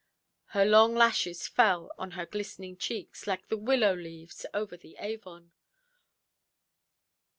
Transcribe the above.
Her long lashes fell on her glistening cheeks, like the willow–leaves over the Avon.